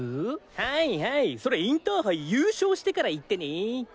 はいはいそれインターハイ優勝してから言ってね。